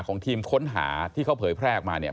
ของทีมค้นหาที่เขาเผยแพร่ออกมาเนี่ย